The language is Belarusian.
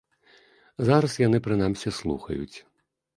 Зараз яны, прынамсі, слухаюць.